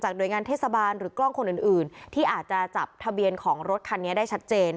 หน่วยงานเทศบาลหรือกล้องคนอื่นที่อาจจะจับทะเบียนของรถคันนี้ได้ชัดเจน